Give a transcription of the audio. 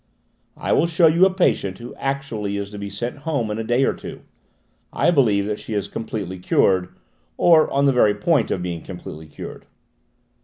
"I will show you a patient who actually is to be sent home in a day or two. I believe that she is completely cured, or on the very point of being completely cured."